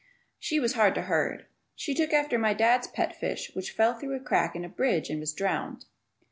She was hard to herd. She took after my dad's pet fish which fell through a crack in a bridge and was drowned.